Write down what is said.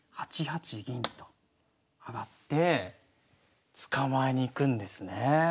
８八銀と上がって捕まえに行くんですね。